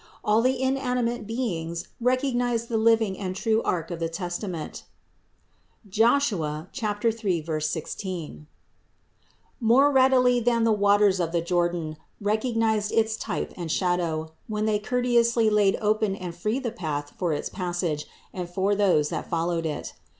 All the inanimate beings recognized the living and true Ark of the Testament ( Josue 3, 16) more readily than the waters of the Jordan recognized its type and shadow, when they courteously laid open and free the path for its passage and for those that followed it.